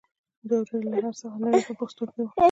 دوه ورځې له هر څه څخه لرې په پوستو کې وم.